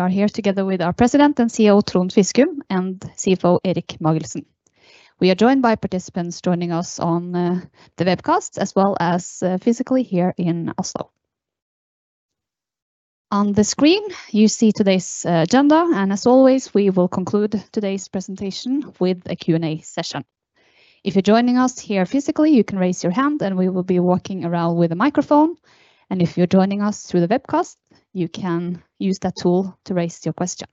We are here together with our President and CEO, Trond Fiskum, and CFO, Erik Magelssen. We are joined by participants joining us on the webcast, as well as physically here in Oslo. On the screen, you see today's agenda, and as always, we will conclude today's presentation with a Q&A session. If you're joining us here physically, you can raise your hand, and we will be walking around with a microphone, and if you're joining us through the webcast, you can use that tool to raise your question.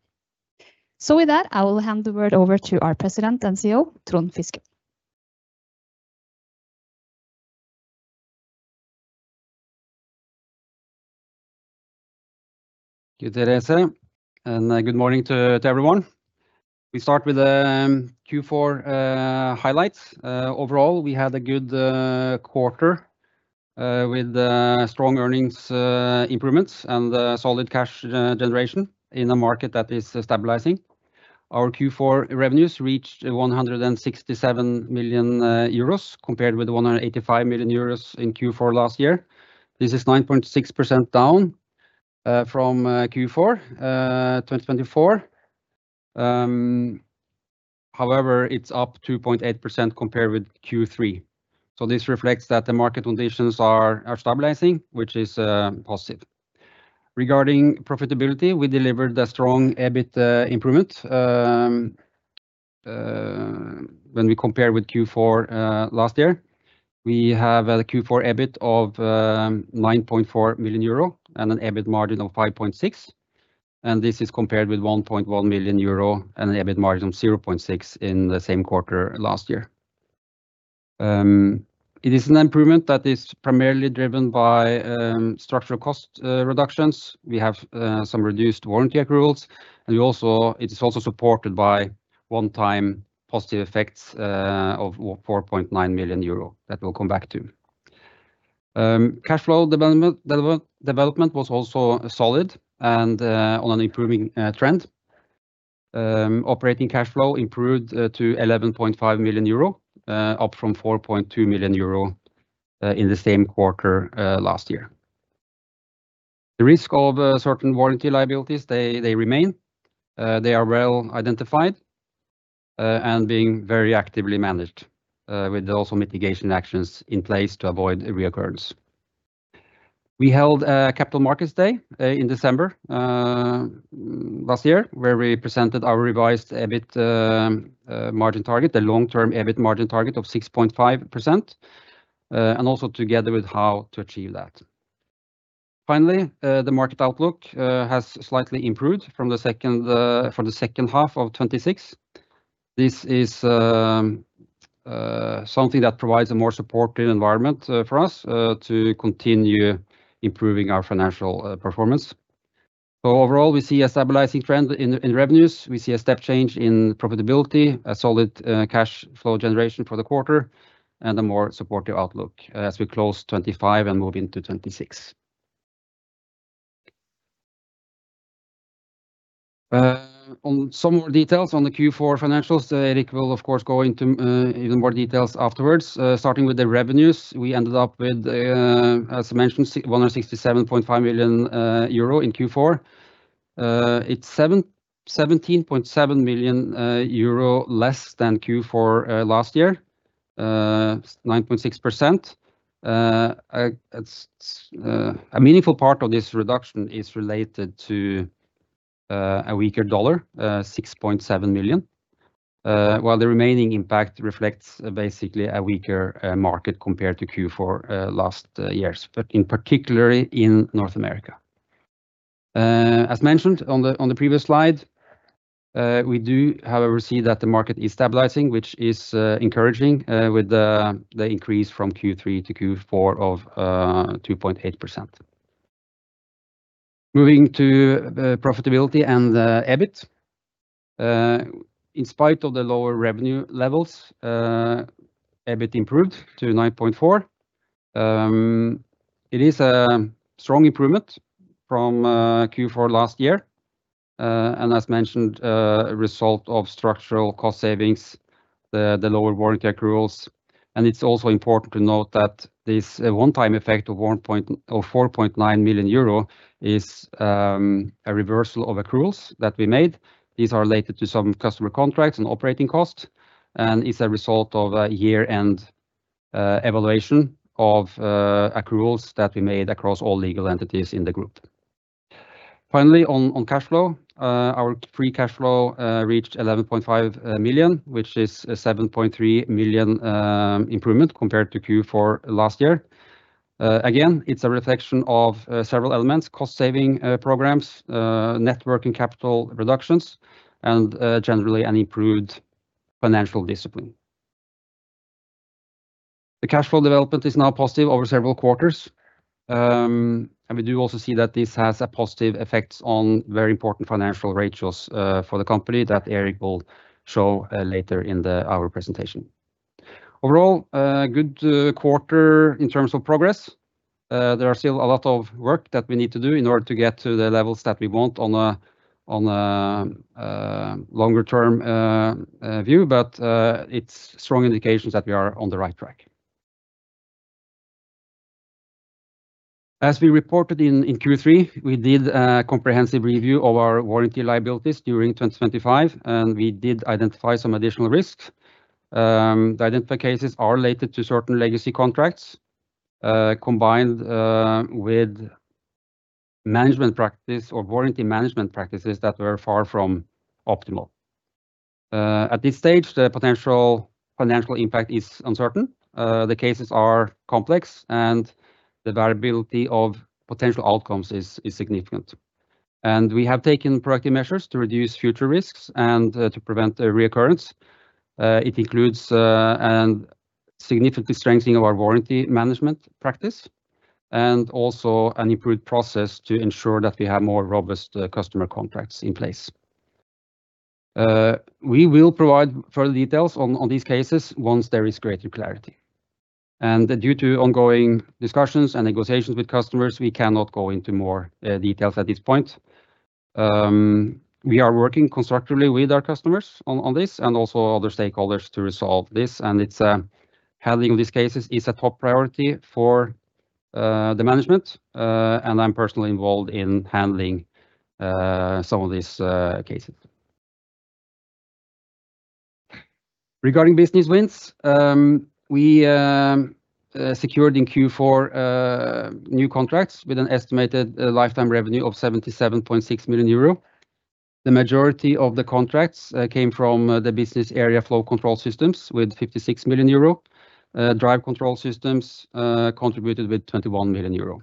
With that, I will hand the word over to our President and CEO, Trond Fiskum. Thank you, Therese. Good morning to everyone. We start with Q4 highlights. Overall, we had a good quarter with strong earnings improvements and solid cash generation in a market that is stabilizing. Our Q4 revenues reached 167 million euros, compared with 185 million euros in Q4 last year. This is 9.6% down from Q4 2024. However, it's up 2.8% compared with Q3. This reflects that the market conditions are stabilizing, which is positive. Regarding profitability, we delivered a strong EBIT improvement. When we compare with Q4 last year, we have a Q4 EBIT of 9.4 million euro and an EBIT margin of 5.6%, this is compared with 1.1 million euro and an EBIT margin of 0.6% in the same quarter last year. It is an improvement that is primarily driven by structural cost reductions. We have some reduced warranty accruals, it is also supported by one-time positive effects of 4.9 million euro, that we'll come back to. Cash flow development was also solid and on an improving trend. Operating cash flow improved to 11.5 million euro, up from 4.2 million euro in the same quarter last year. The risk of certain warranty liabilities, they remain. They are well identified, and being very actively managed, with also mitigation actions in place to avoid a reoccurrence. We held a Capital Markets Day in December last year, where we presented our revised EBIT margin target, the long-term EBIT margin target of 6.5%, and also together with how to achieve that. Finally, the market outlook has slightly improved from the second half of 2026. This is something that provides a more supportive environment for us to continue improving our financial performance. Overall, we see a stabilizing trend in revenues. We see a step change in profitability, a solid cash flow generation for the quarter, and a more supportive outlook as we close 2025 and move into 2026. On some more details on the Q4 financials, Erik will, of course, go into even more details afterwards. Starting with the revenues, we ended up with as mentioned, 167.5 million euro in Q4. It's 17.7 million euro less than Q4 last year. 9.6%. It's a meaningful part of this reduction is related to a weaker dollar, $6.7 million, while the remaining impact reflects basically a weaker market compared to Q4 last year's, but in particularly in North America. As mentioned on the previous slide, we do, however, see that the market is stabilizing, which is encouraging, with the increase from Q3 to Q4 of 2.8%. Moving to the profitability and the EBIT. In spite of the lower revenue levels, EBIT improved to 9.4 million. It is a strong improvement from Q4 last year, and as mentioned, a result of structural cost savings, the lower warranty accruals. It's also important to note that this one-time effect of 4.9 million euro is a reversal of accruals that we made. These are related to some customer contracts and operating costs, and is a result of a year-end evaluation of accruals that we made across all legal entities in the group. Finally, on cash flow, our free cash flow reached 11.5 million, which is a 7.3 million improvement compared to Q4 last year. Again, it's a reflection of several elements: cost saving programs, net working capital reductions, and generally an improved financial discipline. The cash flow development is now positive over several quarters, and we do also see that this has a positive effect on very important financial ratios for the company, that Erik will show later in our presentation. Overall, a good quarter in terms of progress. There are still a lot of work that we need to do in order to get to the levels that we want on a longer term view, it's strong indications that we are on the right track. As we reported in Q3, we did a comprehensive review of our warranty liabilities during 2025, and we did identify some additional risks. The identified cases are related to certain legacy contracts, combined with management practice or warranty management practices that were far from optimal. At this stage, the potential financial impact is uncertain. The cases are complex, and the variability of potential outcomes is significant. We have taken proactive measures to reduce future risks and to prevent a reoccurrence. It includes, and significantly strengthening our warranty management practice, and also an improved process to ensure that we have more robust customer contracts in place. We will provide further details on these cases once there is greater clarity. Due to ongoing discussions and negotiations with customers, we cannot go into more details at this point. We are working constructively with our customers on this and also other stakeholders to resolve this, and it's handling these cases is a top priority for the management. I'm personally involved in handling some of these cases. Regarding business wins, we secured in Q4 new contracts with an estimated lifetime revenue of 77.6 million euro. The majority of the contracts came from the business area Flow Control Systems, with 56 million euro. Drive Control Systems contributed with 21 million euro.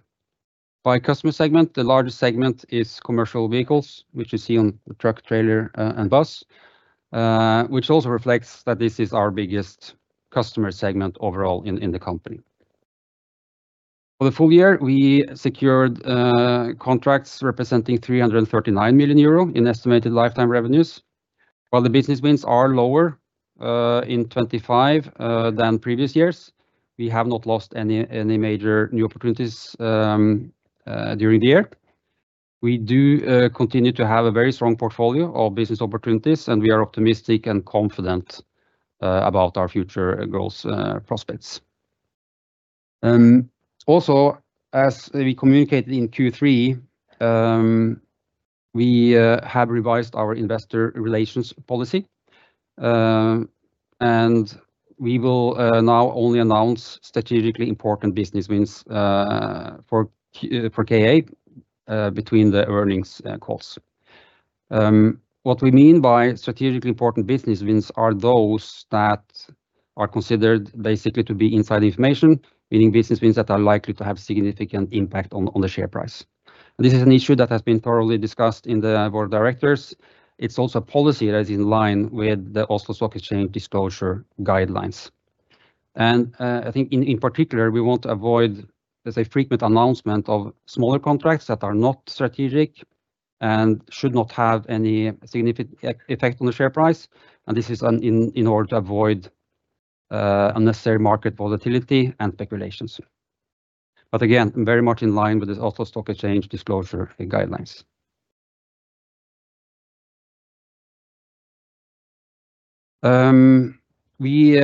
By customer segment, the largest segment is commercial vehicles, which you see on the truck, trailer, and bus. Which also reflects that this is our biggest customer segment overall in the company. For the full year, we secured contracts representing 339 million euro in estimated lifetime revenues, while the business wins are lower in 25 than previous years. We have not lost any major new opportunities during the year. We do continue to have a very strong portfolio of business opportunities, and we are optimistic and confident about our future growth prospects. Also, as we communicated in Q3, we have revised our investor relations policy. We will now only announce strategically important business wins for KA between the earnings calls. What we mean by strategically important business wins are those that are considered basically to be inside information, meaning business wins that are likely to have significant impact on the share price. This is an issue that has been thoroughly discussed in the board of directors. It's also a policy that is in line with the Oslo Stock Exchange disclosure guidelines. I think in particular, we want to avoid, let's say, frequent announcement of smaller contracts that are not strategic and should not have any significant effect on the share price, and this is in order to avoid unnecessary market volatility and speculations. Again, very much in line with the Oslo Stock Exchange disclosure guidelines. We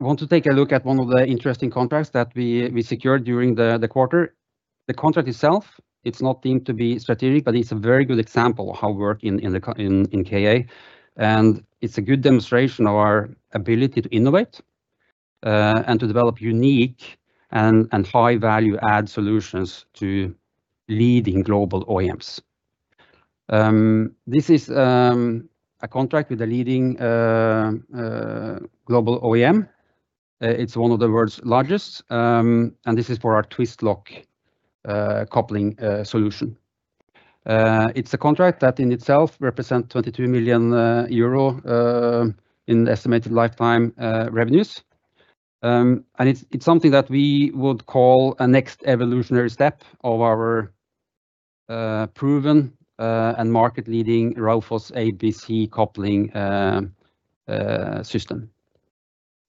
want to take a look at one of the interesting contracts that we secured during the quarter. The contract itself, it's not deemed to be strategic, but it's a very good example of how we work in KA, and it's a good demonstration of our ability to innovate and to develop unique and high value add solutions to leading global OEMs. This is a contract with a leading global OEM. It's one of the world's largest, and this is for our Twistlock coupling solution. It's a contract that in itself represent 22 million euro in estimated lifetime revenues. It's something that we would call a next evolutionary step of our proven and market-leading Raufoss ABC coupling system.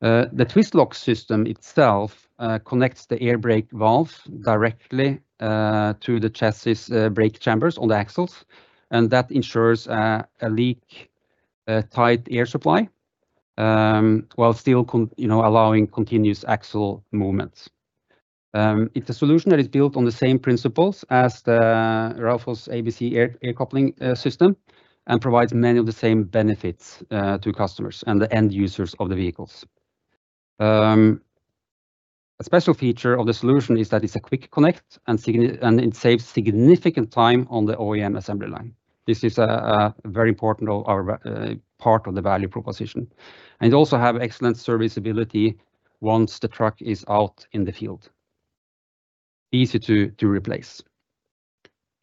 The Twistlock system itself connects the air brake valve directly to the chassis brake chambers on the axles, and that ensures a leak tight air supply, while still You know, allowing continuous axle movement. It's a solution that is built on the same principles as the Raufoss ABC air coupling system, and provides many of the same benefits to customers and the end users of the vehicles. A special feature of the solution is that it's a quick connect, and it saves significant time on the OEM assembly line. This is a very important of our part of the value proposition, and it also have excellent serviceability once the truck is out in the field. Easy to replace.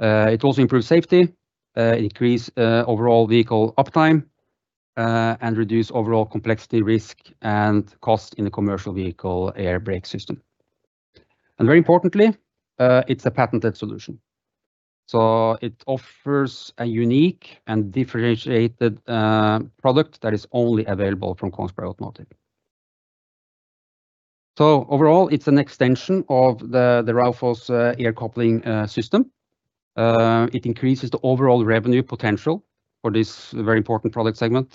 It also improves safety, increase overall vehicle uptime, and reduce overall complexity, risk, and cost in the commercial vehicle air brake system. Very importantly, it's a patented solution, so it offers a unique and differentiated product that is only available from Kongsberg Automotive. Overall, it's an extension of the Raufoss air coupling system. It increases the overall revenue potential for this very important product segment.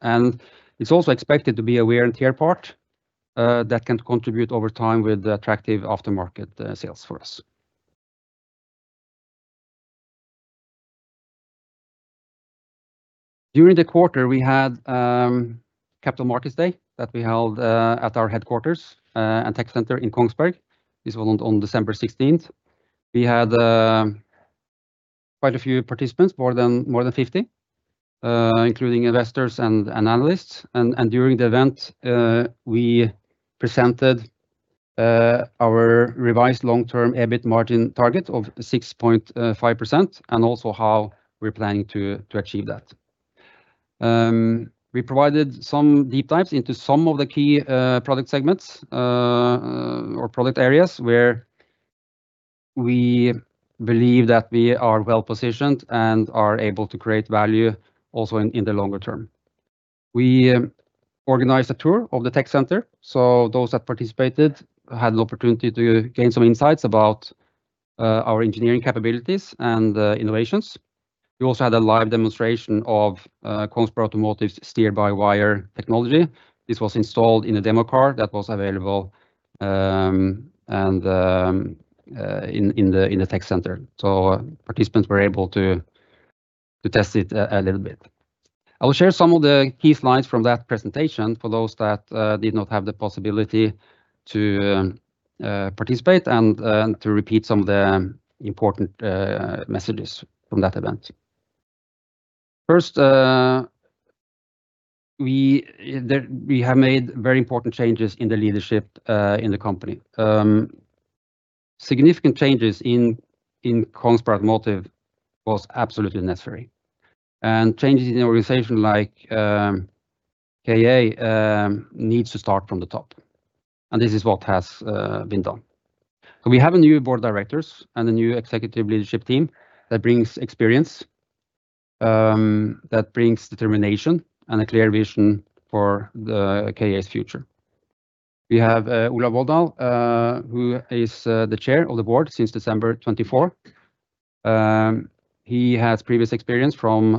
And it's also expected to be a wear and tear part that can contribute over time with attractive aftermarket sales for us. During the quarter, we had a Capital Markets Day that we held at our headquarters and tech center in Kongsberg. This was on December 16th. We had quite a few participants, more than 50, including investors and analysts. During the event, we presented our revised long-term EBIT margin target of 6.5%, and also how we're planning to achieve that. We provided some deep dives into some of the key product segments or product areas, where we believe that we are well-positioned and are able to create value also in the longer term. We organized a tour of the tech center, so those that participated had an opportunity to gain some insights about our engineering capabilities and innovations. We also had a live demonstration of Kongsberg Automotive's Steer-by-Wire technology. This was installed in a demo car that was available and in the tech center. Participants were able to test it a little bit. I will share some of the key slides from that presentation for those that, did not have the possibility to, participate and, to repeat some of the important, messages from that event. First, we have made very important changes in the leadership, in the company. Significant changes in Kongsberg Automotive was absolutely necessary, and changes in an organization like, KA, needs to start from the top, and this is what has, been done. We have a new board of directors and a new executive leadership team that brings experience, that brings determination and a clear vision for the KA's future. We have, Olav Volldal, who is, the Chairman of the Board since December 24th. He has previous experience from,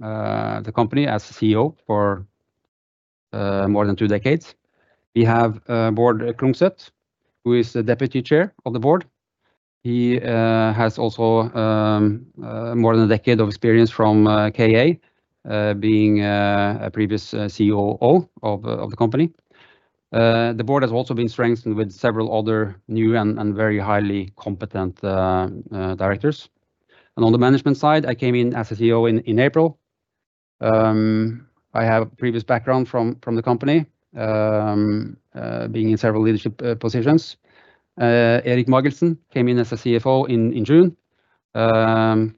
the company as CEO for, more than two decades. We have Bård Klungseth, who is the Deputy Chair of the Board. He has also more than a decade of experience from KA, being a previous COO of the company. The board has also been strengthened with several other new and very highly competent directors. On the management side, I came in as a CEO in April. I have previous background from the company, being in several leadership positions. Erik Magelssen came in as a CFO in June,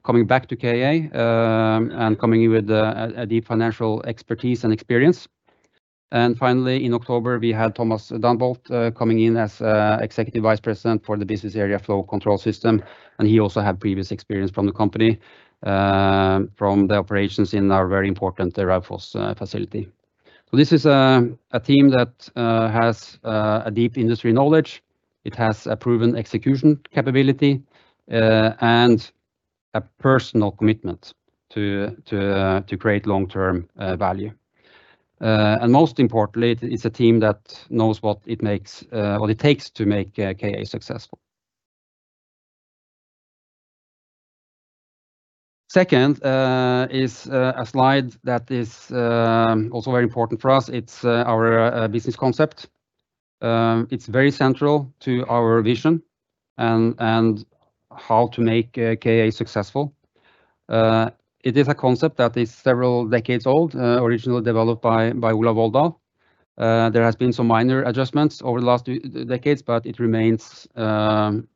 coming back to KA, and coming in with a deep financial expertise and experience. Finally, in October, we had Thomas Danbolt coming in as Executive Vice President for the business area Flow Control Systems, and he also had previous experience from the company from the operations in our very important, the Raufoss facility. This is a team that has a deep industry knowledge. It has a proven execution capability and a personal commitment to create long-term value. Most importantly, it's a team that knows what it takes to make KA successful. Second is a slide that is also very important for us. It's our business concept. It's very central to our vision and how to make KA successful. It is a concept that is several decades old, originally developed by Olav Volldal. There has been some minor adjustments over the last decades, but it remains. The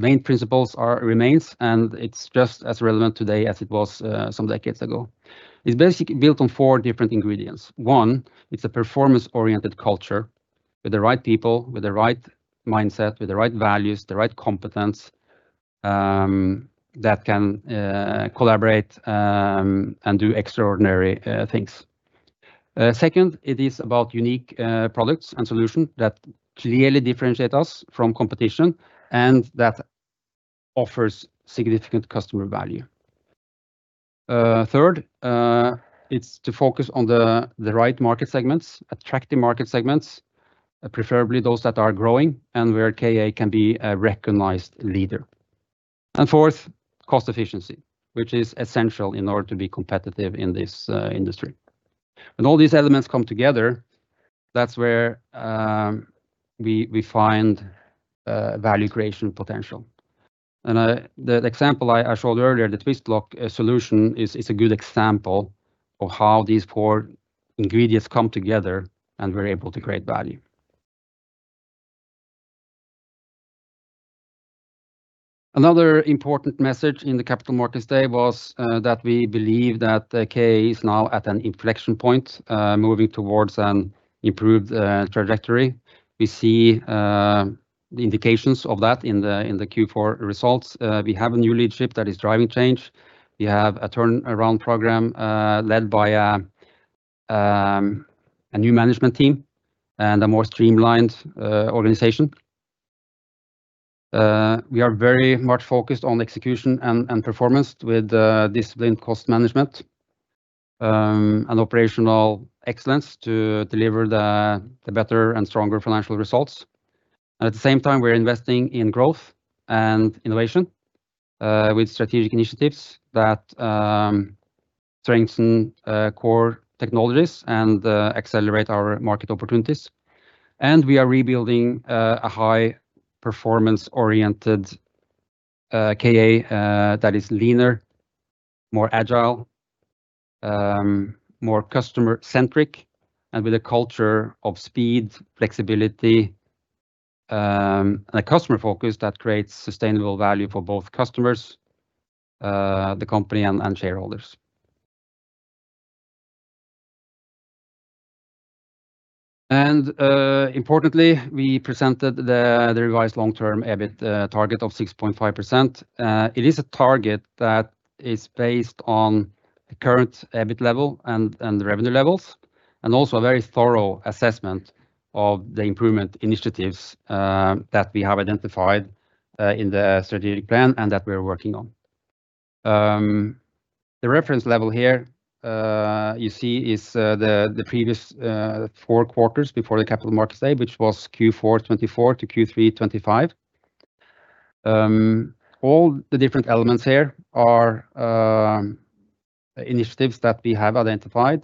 main principles remains, and it's just as relevant today as it was some decades ago. It's basically built on four different ingredients. One, it's a performance-oriented culture with the right people, with the right mindset, with the right values, the right competence, that can collaborate and do extraordinary things. Second, it is about unique products and solutions that clearly differentiate us from competition and that offers significant customer value. Third, it's to focus on the right market segments, attractive market segments, preferably those that are growing and where KA can be a recognized leader. Fourth, cost efficiency, which is essential in order to be competitive in this industry. When all these elements come together, that's where we find value creation potential. The example I showed earlier, the Twistlock solution is a good example of how these four ingredients come together, and we're able to create value. Another important message in the Capital Markets Day was that we believe that KA is now at an inflection point, moving towards an improved trajectory. We see the indications of that in the Q4 results. We have a new leadership that is driving change. We have a turnaround program, led by a new management team and a more streamlined organization. We are very much focused on execution and performance with disciplined cost management and operational excellence to deliver the better and stronger financial results. At the same time, we're investing in growth and innovation with strategic initiatives that strengthen core technologies and accelerate our market opportunities. We are rebuilding a high-performance-oriented KA that is leaner, more agile, more customer-centric, and with a culture of speed, flexibility, and a customer focus that creates sustainable value for both customers, the company, and shareholders. Importantly, we presented the revised long-term EBIT target of 6.5%. It is a target that is based on the current EBIT level and the revenue levels, and also a very thorough assessment of the improvement initiatives that we have identified in the strategic plan and that we're working on. The reference level here, you see, is the previous four quarters before the Capital Markets Day, which was Q4 2024-Q3 2025. All the different elements here are initiatives that we have identified.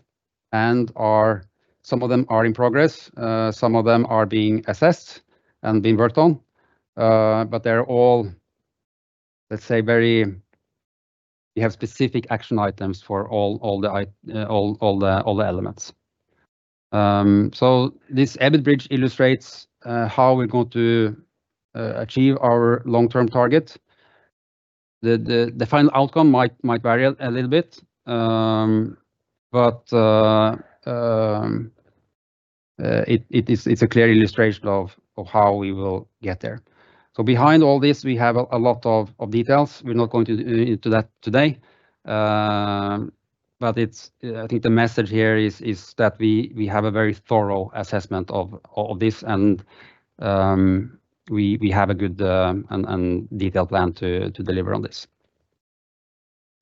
Some of them are in progress, some of them are being assessed and being worked on. We have specific action items for all the elements. This EBIT bridge illustrates how we're going to achieve our long-term target. The final outcome might vary a little bit, it's a clear illustration of how we will get there. Behind all this, we have a lot of details. We're not going to into that today. It's, I think the message here is that we have a very thorough assessment of this, and we have a good, and detailed plan to deliver on this.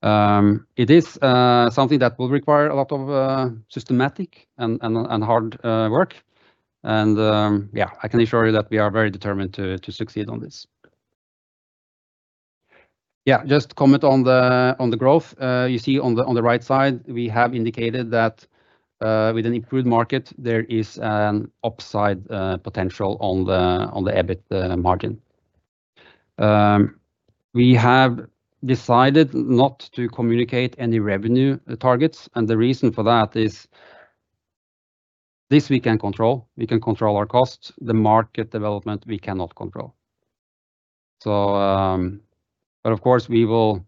It is something that will require a lot of systematic and hard work. Yeah, I can assure you that we are very determined to succeed on this. Yeah, just comment on the growth. You see on the right side, we have indicated that with an improved market, there is an upside, potential on the EBIT margin. We have decided not to communicate any revenue targets. The reason for that is, this we can control. We can control our costs. The market development, we cannot control. But of course, we will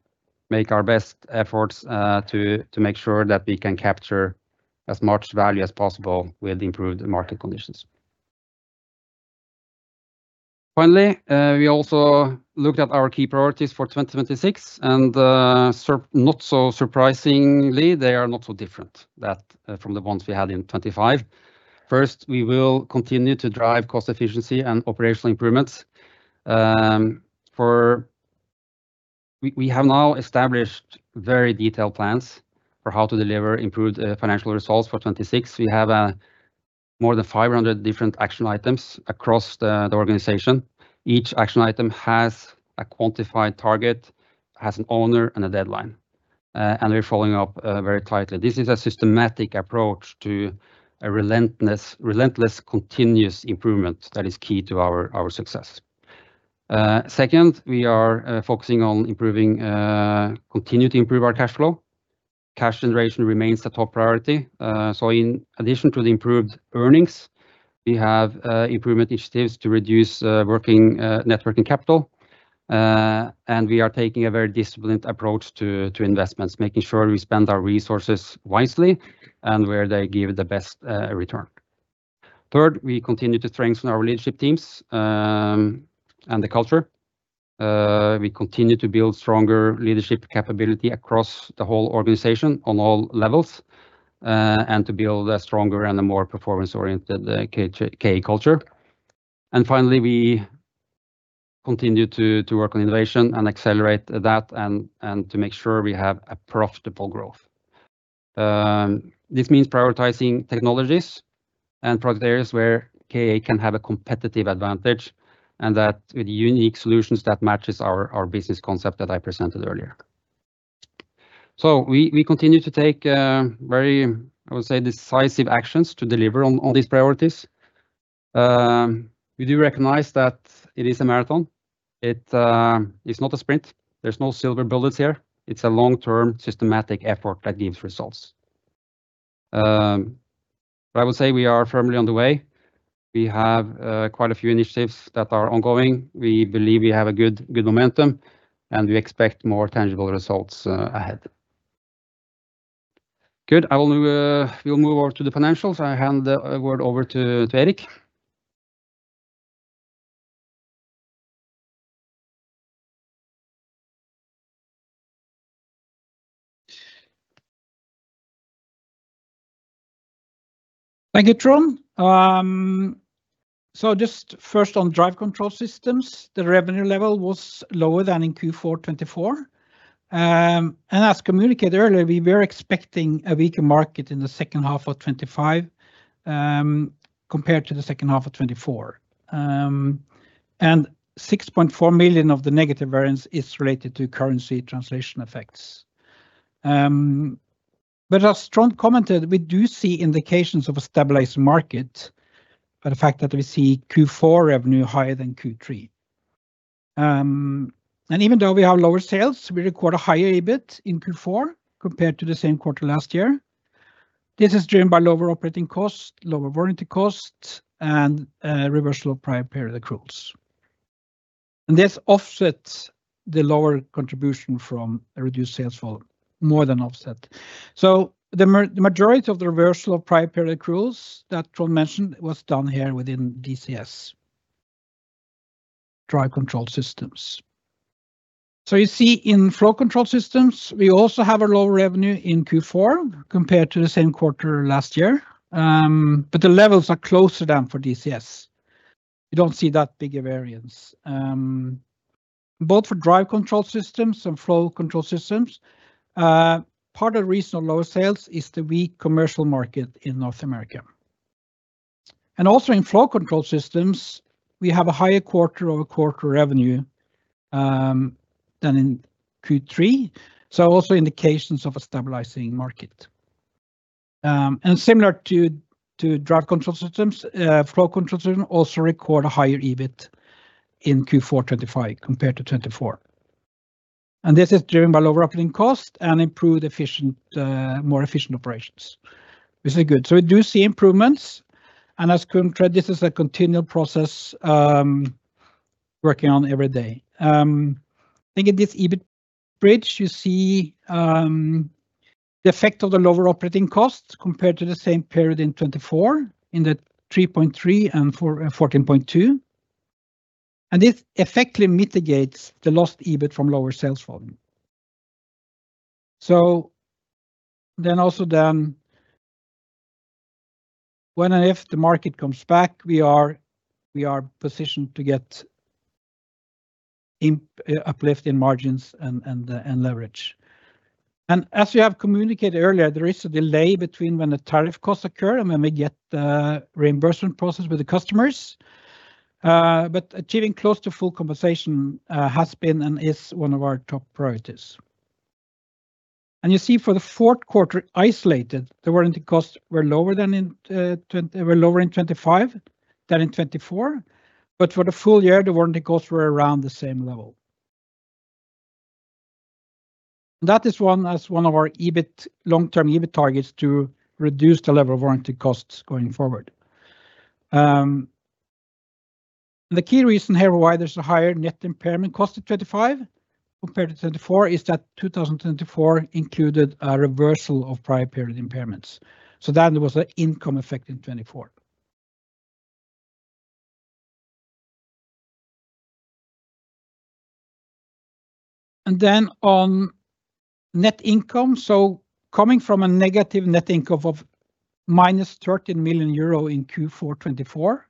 make our best efforts to make sure that we can capture as much value as possible with improved market conditions. Finally, we also looked at our key priorities for 2026. Not so surprisingly, they are not so different from the ones we had in 2025. First, we will continue to drive cost efficiency and operational improvements. We have now established very detailed plans for how to deliver improved financial results for 2026. We have more than 500 different action items across the organization. Each action item has a quantified target, has an owner, and a deadline. We're following up very tightly. This is a systematic approach to a relentless, continuous improvement that is key to our success. Second, we are focusing on improving, continue to improve our cash flow. Cash generation remains the top priority. In addition to the improved earnings, we have improvement initiatives to reduce net working capital. We are taking a very disciplined approach to investments, making sure we spend our resources wisely and where they give the best return. Third, we continue to strengthen our leadership teams and the culture. We continue to build stronger leadership capability across the whole organization on all levels and to build a stronger and a more performance-oriented KA culture. Finally, we continue to work on innovation and accelerate that, and to make sure we have a profitable growth. This means prioritizing technologies and product areas where KA can have a competitive advantage, and that with unique solutions that matches our business concept that I presented earlier. We continue to take very, I would say, decisive actions to deliver on these priorities. We do recognize that it is a marathon. It is not a sprint. There's no silver bullets here. It's a long-term, systematic effort that gives results. I would say we are firmly on the way. We have quite a few initiatives that are ongoing. We believe we have a good momentum, and we expect more tangible results ahead. Good. We'll move over to the financials. I hand the word over to Erik. Thank you, Trond. just first on Drive Control Systems, the revenue level was lower than in Q4 2024. as communicated earlier, we were expecting a weaker market in the second half of 2025, compared to the second half of 2024. 6.4 million of the negative variance is related to currency translation effects. as Trond commented, we do see indications of a stabilized market, by the fact that we see Q4 revenue higher than Q3. even though we have lower sales, we record a higher EBIT in Q4 compared to the same quarter last year. This is driven by lower operating costs, lower warranty costs, and reversal of prior period accruals. This offsets the lower contribution from a reduced sales volume, more than offset. The majority of the reversal of prior period accruals that Trond mentioned was done here within DCS, Drive Control Systems. You see in Flow Control Systems, we also have a lower revenue in Q4 compared to the same quarter last year, but the levels are closer than for DCS. You don't see that big a variance. Both for Drive Control Systems and Flow Control Systems, part of the reason of lower sales is the weak commercial market in North America. Also in Flow Control Systems, we have a higher quarter-over-quarter revenue than in Q3, so also indications of a stabilizing market. Similar to Drive Control Systems, Flow Control Systems also record a higher EBIT in Q4 2025 compared to 2024, this is driven by lower operating costs and improved efficient, more efficient operations, which is good. We do see improvements, and as Trond told, this is a continual process, working on every day. I think in this EBIT bridge, you see the effect of the lower operating costs compared to the same period in 2024, in the 3.3 and 14.2, this effectively mitigates the lost EBIT from lower sales volume. Also then, when and if the market comes back, we are positioned to get uplift in margins and leverage. As we have communicated earlier, there is a delay between when the tariff costs occur and when we get the reimbursement process with the customers. Achieving close to full compensation has been and is one of our top priorities. You see, for the fourth quarter, isolated, the warranty costs were lower in 2025 than in 2024. For the full year, the warranty costs were around the same level. That is one of our EBIT, long-term EBIT targets to reduce the level of warranty costs going forward. The key reason here why there's a higher net impairment cost of 2025 compared to 2024, is that 2024 included a reversal of prior period impairments. That was an income effect in 2024. Coming from a negative net income of minus 13 million euro in Q4 2024,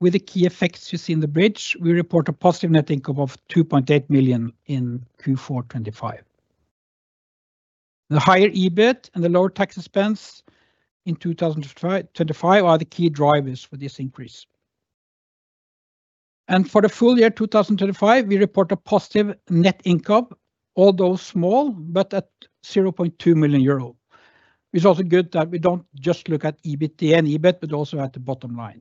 with the key effects you see in the bridge, we report a positive net income of 2.8 million in Q4 2025. The higher EBIT and the lower tax expense in 2025 are the key drivers for this increase. For the full year, 2025, we report a positive net income, although small, but at 0.2 million euro. It's also good that we don't just look at EBITDA and EBIT, but also at the bottom line.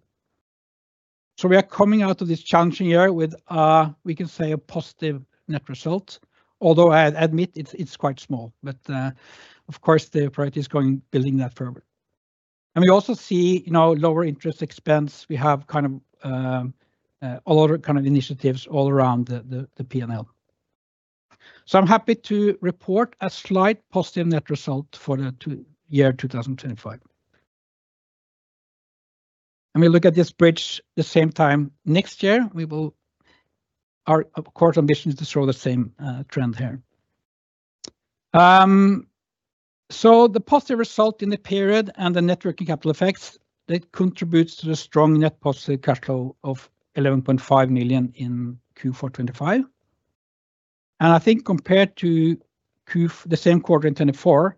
We are coming out of this challenging year with, we can say, a positive net result, although I admit it's quite small, but, of course, the priority is going, building that further. We also see, you know, lower interest expense. We have kind of a lot of kind of initiatives all around the P&L. I'm happy to report a slight positive net result for the year 2025. We look at this bridge the same time next year, Our, of course, ambition is to show the same trend here. The positive result in the period and the net working capital effects, that contributes to the strong net positive cash flow of 11.5 million in Q4 2025. I think compared to the same quarter in 2024,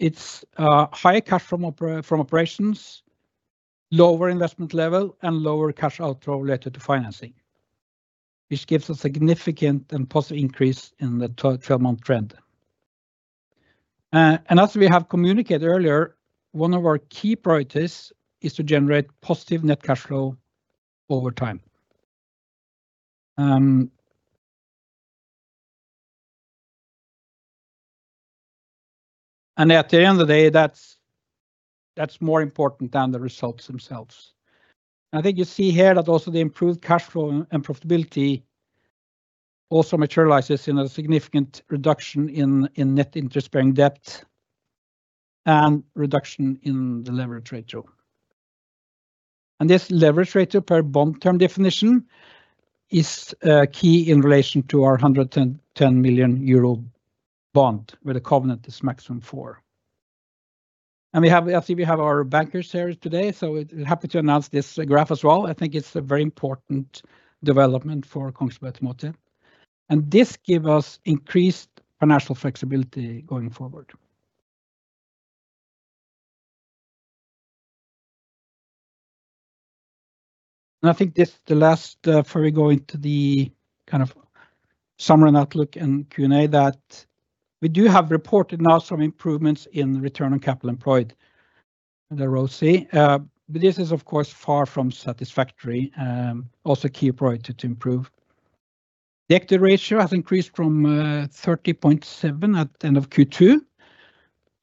it's higher cash from operations, lower investment level, and lower cash outflow related to financing, which gives a significant and positive increase in the three-month trend. As we have communicated earlier, one of our key priorities is to generate positive net cash flow over time. At the end of the day, that's more important than the results themselves. I think you see here that also the improved cash flow and profitability also materializes in net interest-bearing debt and reduction in the leverage ratio. This leverage ratio per bond term definition is key in relation to our 110 million euro bond, where the covenant is maximum four. We have, I see we have our bankers here today, so happy to announce this graph as well. I think it's a very important development for Kongsberg Automotive. This give us increased financial flexibility going forward. I think this is the last, before we go into the kind of summary and outlook and Q&A, that we do have reported now some improvements in return on capital employed, the ROCE. This is, of course, far from satisfactory. Also a key priority to improve. The equity ratio has increased from 30.7% at the end of Q2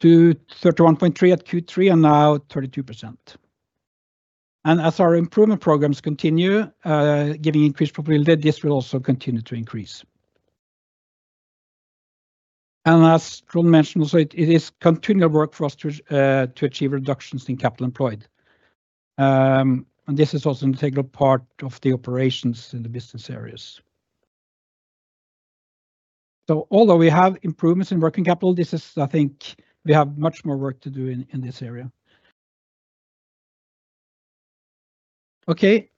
to 31.3% at Q3, and now 32%. As our improvement programs continue, getting increased probability, this will also continue to increase. As Trond mentioned also, it is continual work for us to achieve reductions in capital employed. This is also an integral part of the operations in the business areas. Although we have improvements in working capital, this is, I think, we have much more work to do in this area. Okay.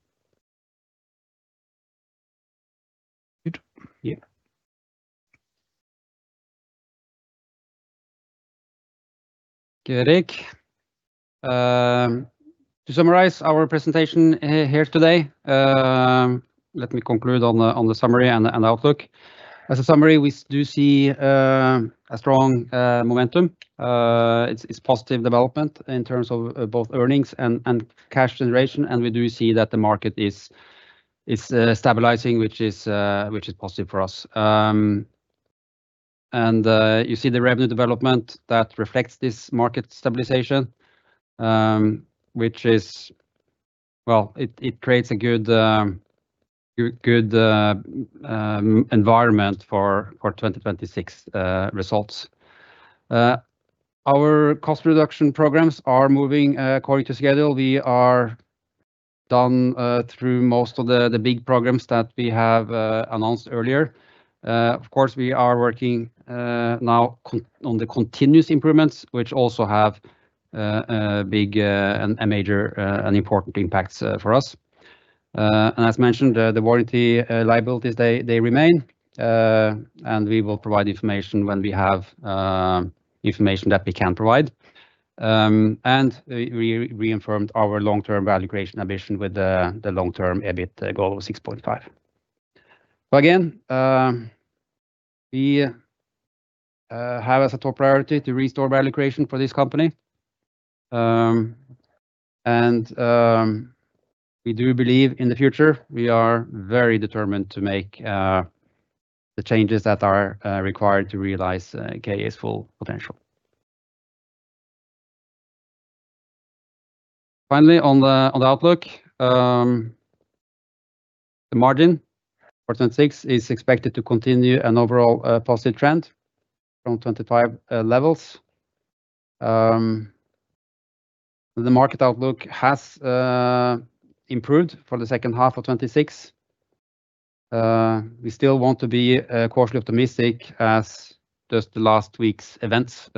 Good. Yeah. Good, Erik. To summarize our presentation here today, let me conclude on the, on the summary and the outlook. As a summary, we do see, a strong, momentum. It's, it's positive development in terms of, both earnings and cash generation, and we do see that the market is, stabilizing, which is, which is positive for us. You see the revenue development that reflects this market stabilization, which is, well, it creates a good, environment for 2026 results. Our cost reduction programs are moving according to schedule. We are done, through most of the big programs that we have, announced earlier. Of course, we are working now on the continuous improvements, which also have a big, a major, and important impacts for us. As mentioned, the warranty liabilities, they remain. We will provide information when we have information that we can provide. We reaffirmed our long-term value creation ambition with the long-term EBIT goal of 6.5%. Again, we have as a top priority to restore value creation for this company. We do believe in the future. We are very determined to make the changes that are required to realize KA's full potential. Finally, on the outlook, the margin for 2026 is expected to continue an overall positive trend from 2025 levels. The market outlook has improved for the second half of 2026. We still want to be cautiously optimistic, as just the last week's events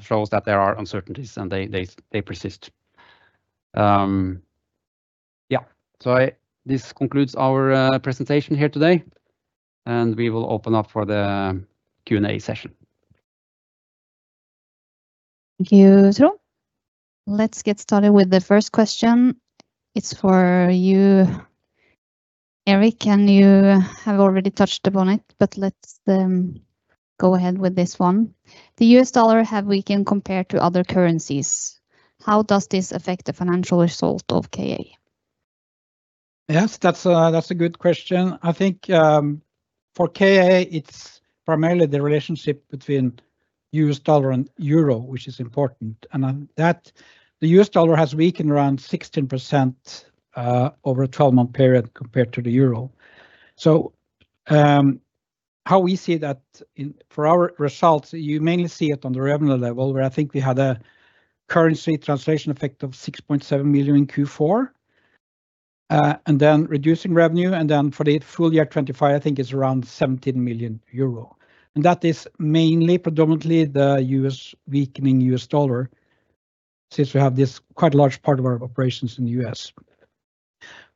shows that there are uncertainties, and they persist. This concludes our presentation here today, and we will open up for the Q&A session. Thank you, Trond. Let's get started with the first question. It's for you, Erik, and you have already touched upon it, but let's go ahead with this one. The U.S. dollar have weakened compared to other currencies. How does this affect the financial result of KA? Yes, that's a good question. I think for KA, it's primarily the relationship between U.S. dollar and euro, which is important, and on that, the U.S. dollar has weakened around 16% over a 12-month period compared to the euro. How we see that for our results, you mainly see it on the revenue level, where I think we had a currency translation effect of 6.7 million in Q4, and then reducing revenue, and then for the full year 2025, I think it's around 17 million euro. That is mainly predominantly the weakening U.S. dollar, since we have this quite a large part of our operations in the U.S.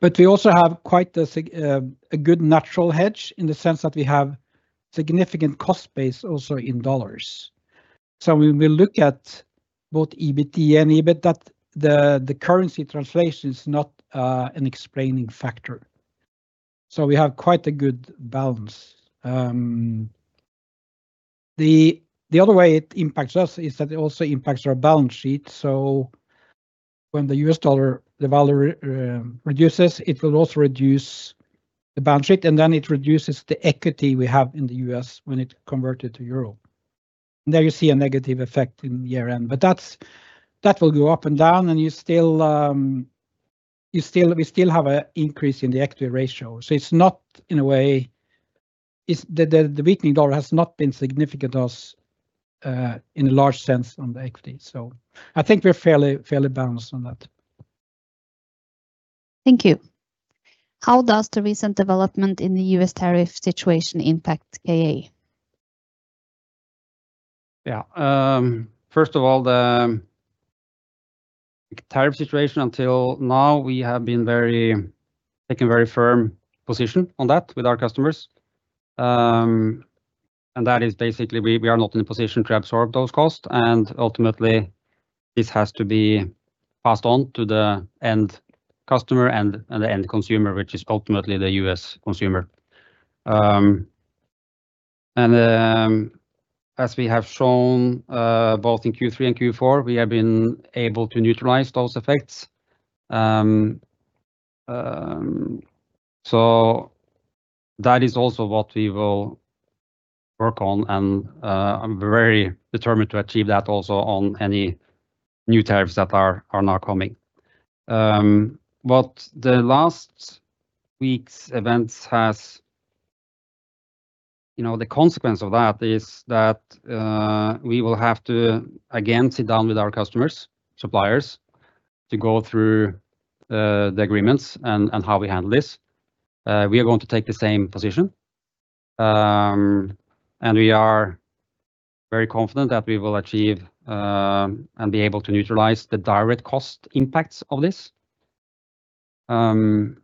We also have quite a good natural hedge, in the sense that we have significant cost base also in dollars. When we look at both EBITDA and EBIT, that the currency translation is not an explaining factor. We have quite a good balance. The other way it impacts us is that it also impacts our balance sheet. When the U.S. dollar, the value, reduces, it will also reduce the balance sheet, and then it reduces the equity we have in the U.S. when it converted to euro. There you see a negative effect in the year-end, but that's, that will go up and down, and you still, we still have a increase in the equity ratio. It's not the weakening dollar has not been significant as in a large sense on the equity. I think we're fairly balanced on that. Thank you. How does the recent development in the U.S. tariff situation impact KA? Yeah, first of all, the tariff situation until now, we have been taking very firm position on that with our customers. That is basically we are not in a position to absorb those costs, and ultimately, this has to be passed on to the end customer and the end consumer, which is ultimately the U.S. consumer. As we have shown, both in Q3 and Q4, we have been able to neutralize those effects. That is also what we will work on, and I'm very determined to achieve that also on any new tariffs that are now coming. What the last week's events has... You know, the consequence of that is that we will have to, again, sit down with our customers, suppliers, to go through the agreements and how we handle this. We are going to take the same position, we are very confident that we will achieve and be able to neutralize the direct cost impacts of this. In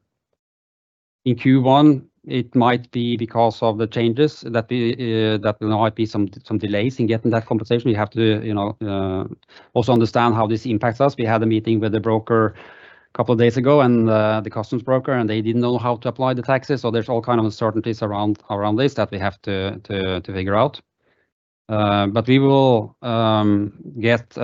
Q1, it might be because of the changes that there might be some delays in getting that compensation. We have to, you know, also understand how this impacts us. We had a meeting with the broker a couple of days ago, and the customs broker, and they didn't know how to apply the taxes. There's all kind of uncertainties around this that we have to figure out. We will get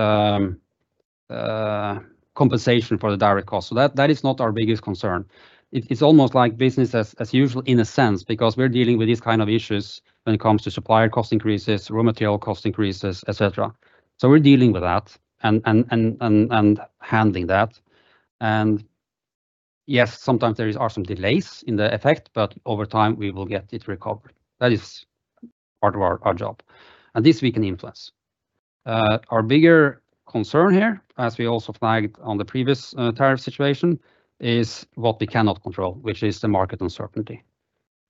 compensation for the direct cost. That is not our biggest concern. It's almost like business as usual, in a sense, because we're dealing with these kind of issues when it comes to supplier cost increases, raw material cost increases, et cetera. We're dealing with that and handling that. Yes, sometimes there are some delays in the effect, but over time, we will get it recovered. That is part of our job, and this we can influence. Our bigger concern here, as we also flagged on the previous tariff situation, is what we cannot control, which is the market uncertainty,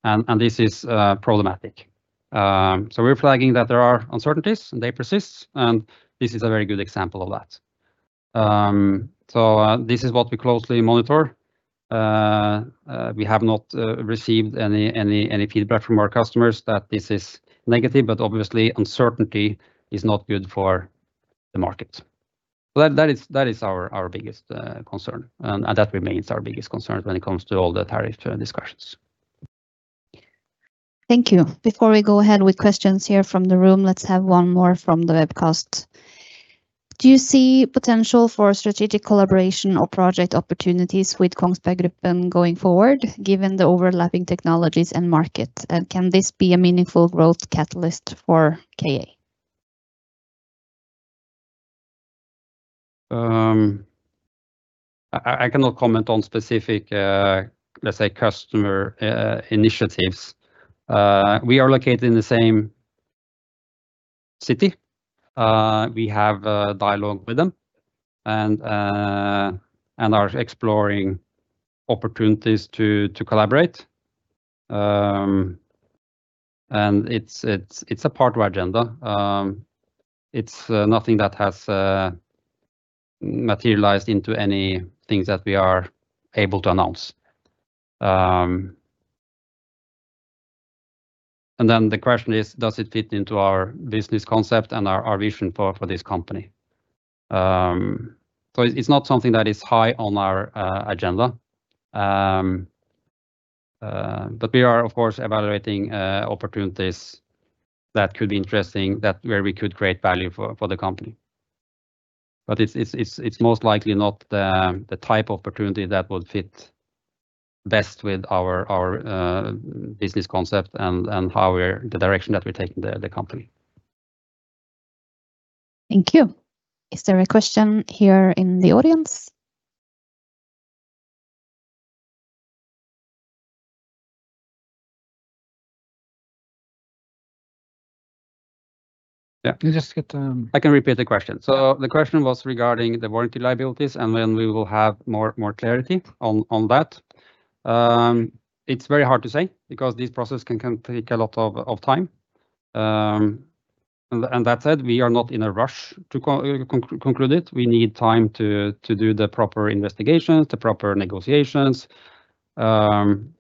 and this is problematic. We're flagging that there are uncertainties, and they persist, and this is a very good example of that. This is what we closely monitor. We have not received any feedback from our customers that this is negative. Obviously, uncertainty is not good for the market. That is our biggest concern, and that remains our biggest concern when it comes to all the tariff discussions. Thank you. Before we go ahead with questions here from the room, let's have one more from the webcast. Do you see potential for strategic collaboration or project opportunities with Kongsberg Gruppen going forward, given the overlapping technologies and market? Can this be a meaningful growth catalyst for KA? I cannot comment on specific, let's say, customer initiatives. We are located in the same city. We have a dialogue with them and are exploring opportunities to collaborate. It's a part of our agenda. It's nothing that has materialized into any things that we are able to announce. Then the question is: Does it fit into our business concept and our vision for this company? It's not something that is high on our agenda. We are, of course, evaluating opportunities that could be interesting, that where we could create value for the company. It's most likely not the type of opportunity that would fit best with our business concept and how we're the direction that we're taking the company. Thank you. Is there a question here in the audience? Yeah. You just get. I can repeat the question. Yeah. The question was regarding the warranty liabilities, and when we will have more clarity on that. It's very hard to say, because this process can take a lot of time. That said, we are not in a rush to conclude it. We need time to do the proper investigations, the proper negotiations, and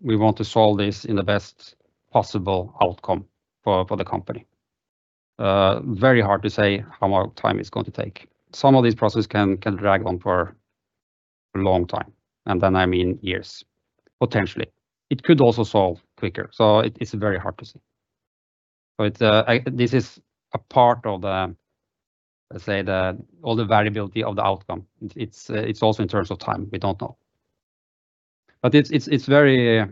we want to solve this in the best possible outcome for the company. Very hard to say how much time it's going to take. Some of these processes can drag on for a long time, and then, I mean, years, potentially. It could also solve quicker, so it's very hard to say. This is a part of the, let's say, the all the variability of the outcome. It's also in terms of time. We don't know. It's very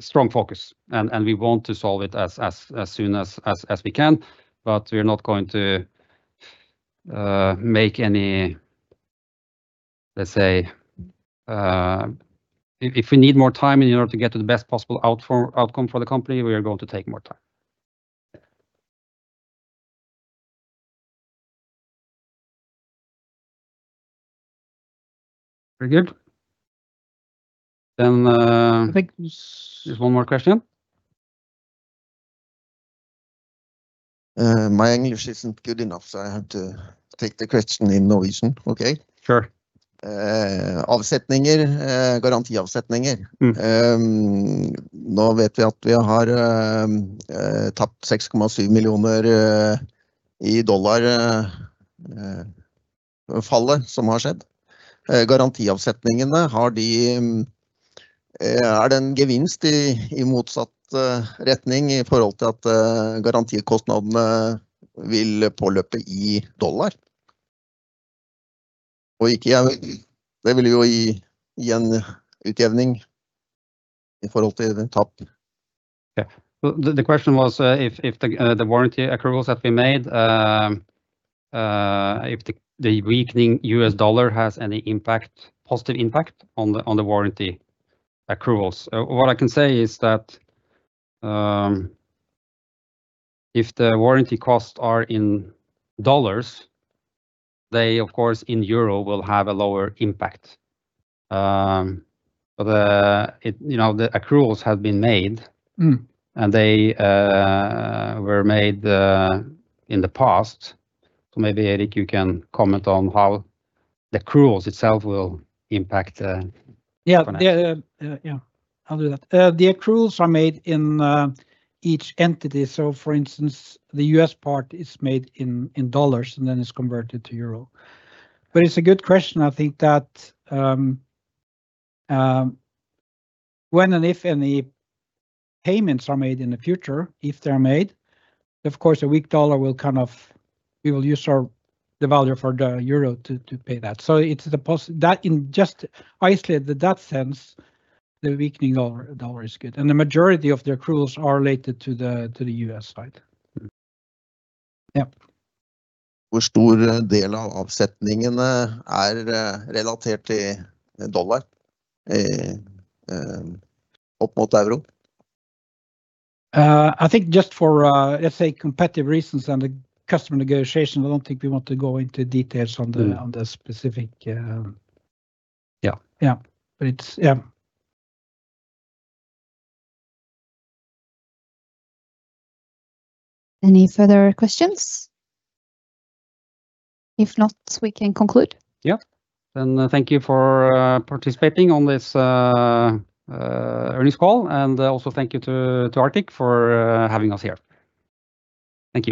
strong focus, and we want to solve it as soon as we can, but we are not going to Let's say, if we need more time in order to get to the best possible outcome for the company, we are going to take more time. Very good. Then, uh- There's one more question. My English isn't good enough, so I have to take the question in Norwegian. Okay? Sure. Avsetninger, garanti avsetninger. Nå vet vi at vi har tapt $6.7 million, fallet som har skjedd. Garanti avsetningene har de, er det en gevinst i motsatt retning i forhold til at garantikostnadene vil påløpe i dollar? Ikke jeg, det vil jo gi en utjevning i forhold til den tapen. The question was if the warranty accruals that we made, if the weakening U.S. dollar has any impact, positive impact on the warranty accruals. What I can say is that if the warranty costs are in dollars, they, of course, in EUR will have a lower impact. It, you know, the accruals have been made. They were made in the past. Maybe, Erik, you can comment on how the accruals itself will impact. Yeah. Yeah, yeah. I'll do that. The accruals are made in each entity. For instance, the U.S. part is made in dollars, and then it's converted to euro. It's a good question. I think that when and if any payments are made in the future, if they're made, of course, a weak dollar will kind of... we will use our, the value for the euro to pay that. It's that in just isolated that sense, the weakening of dollar is good, and the majority of the accruals are related to the U.S. side. Yeah. Hvor stor del av avsetningene er relatert til dollar, opp mot euro? I think just for, let's say competitive reasons and the customer negotiation, I don't think we want to go into details on the specific. Yeah. Yeah. It's, yeah. Any further questions? If not, we can conclude. Yeah. Thank you for participating on this earnings call and also thank you to Arctic for having us here. Thank you.